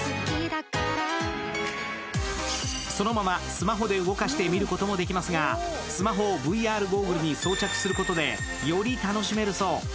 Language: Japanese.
そのままスマホで動かして見ることもできますがスマホをＶＲゴーグルに装着することでより楽しめるそう。